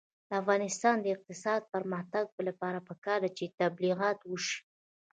د افغانستان د اقتصادي پرمختګ لپاره پکار ده چې تبلیغات وشي.